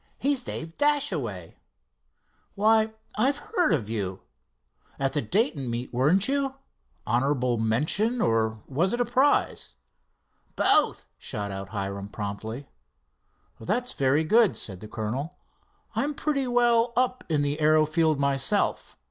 "He's Dave Dashaway." "Why, I've heard of you. At the Dayton meet, weren't you? Honorable mention, or was it a prize?" "Both," shot out Hiram promptly. "That's very good," said the colonel. "I'm pretty well up in the aero field myself.